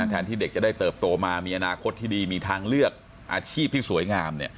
แทนที่เด็กจะได้เติบโตมามีอนาคตที่ดีมีทางเลือกอาชีพที่สวยงาม